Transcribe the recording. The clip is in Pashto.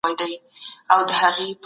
تاسي په خپلو لاسونو کي جراثیم مه پرېږدئ.